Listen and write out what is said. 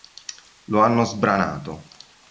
Lo hanno sbranato.